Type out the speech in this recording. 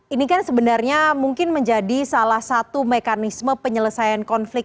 ini kan sebenarnya mungkin menjadi salah satu mekanisme penyelesaian konflik